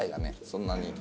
そんなに。